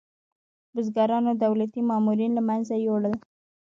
بزګرانو دولتي مامورین له منځه یوړل.